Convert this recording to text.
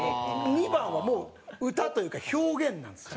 ２番はもう歌というか表現なんですよ。